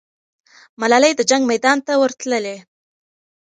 ملالۍ د جنګ میدان ته ورتللې.